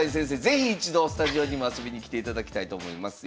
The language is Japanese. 是非一度スタジオにも遊びに来ていただきたいと思います。